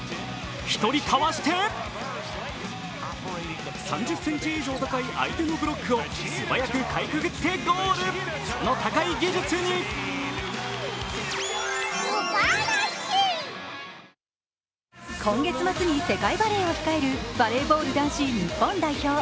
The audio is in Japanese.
１人かわして、３０ｃｍ以上高い相手のブロックをかいくぐってゴール、その高い技術に今月末に世界バレーを控えるバレーボール男子日本代表。